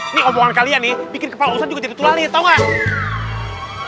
ini omongan kalian nih bikin kepala ustaz juga jadi tulalit tau nggak